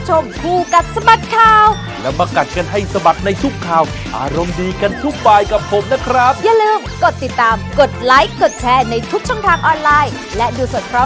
ชิคกี้พาย